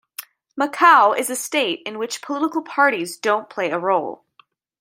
Macau is a state in which political parties don't play a role.